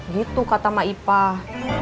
gitu kata mak ipah